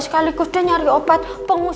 aku mau pergi dulu